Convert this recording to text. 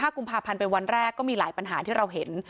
กุมภาพันธ์เป็นวันแรกก็มีหลายปัญหาที่เราเห็น